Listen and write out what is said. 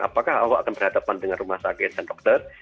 apakah allah akan berhadapan dengan rumah sakit dan dokter